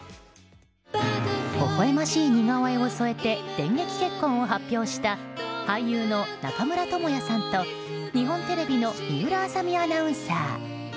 ほほ笑ましい似顔絵を添えて電撃結婚を発表した俳優の中村倫也さんと日本テレビの水卜麻美アナウンサー。